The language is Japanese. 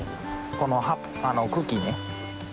この茎ね。